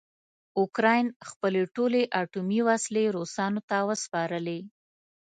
اوکراین خپلې ټولې اټومي وسلې روسانو ته وسپارلې.